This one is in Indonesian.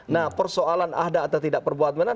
nah persoalan ada atau tidak perbuatan mana